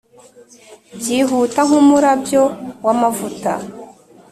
byihuta nkumurabyo wamavuta